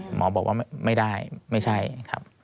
หมอบอกว่าไม่ได้ไม่ใช่ครับ